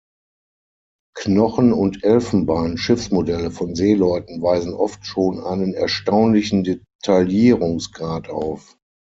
Knochen- und Elfenbein-Schiffsmodelle von Seeleuten weisen oft schon einen erstaunlichen Detaillierungsgrad auf.